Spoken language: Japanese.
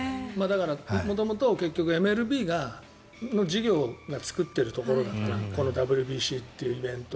元々、ＭＬＢの事業が作っているところだからこのＷＢＣというイベント。